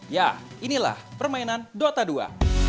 ya inilah permainan dota dua